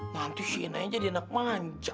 nanti sinai jadi anak manja